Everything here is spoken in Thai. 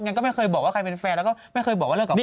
ก็ไม่เคยบอกว่าใครเป็นแฟนแล้วก็ไม่เคยบอกว่าเลิกกับใคร